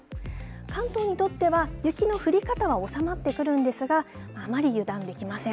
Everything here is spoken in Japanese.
関東にとっては、雪の降り方は収まってくるんですが、あまり油断できません。